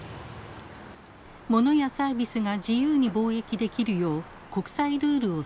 モノやサービスが自由に貿易できるよう国際ルールを定めてきました。